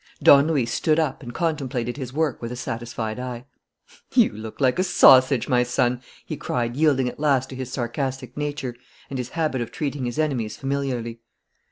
Don Luis stood up and contemplated his work with a satisfied eye. "You look like a sausage, my son!" he cried, yielding at last to his sarcastic nature and his habit of treating his enemies familiarly.